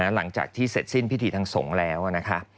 หลังจากที่เสร็จสิ้นพิธีทางสงฆ์แล้วนะคะ